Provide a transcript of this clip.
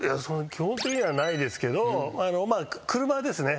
基本的にはないですけど車ですね。